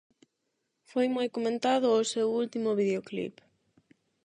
Foi moi comentado o seu último videoclip.